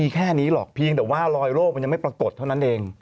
แค่นี้หรอกเพียงแต่ว่ารอยโรคมันยังไม่ปรากฏเท่านั้นเอง